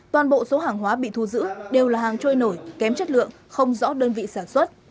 toàn bộ số hàng hóa bị thu giữ đều là hàng trôi nổi kém chất lượng không rõ đơn vị sản xuất